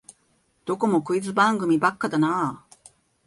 どこもクイズ番組ばっかだなあ